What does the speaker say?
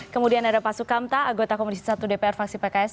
kemudian ada pak sukamta anggota komisi satu dpr faksi pks